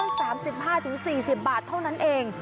ราคารั้นต้น๓๕๔๐บาทเท่านั้นเอง